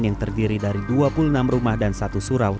yang terdiri dari dua puluh enam rumah dan satu surau